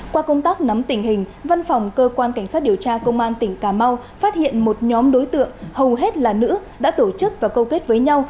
qua công tác nắm tình hình văn phòng cơ quan cảnh sát điều tra công an tỉnh cà mau phát hiện một nhóm đối tượng hầu hết là nữ đã tổ chức và câu kết với nhau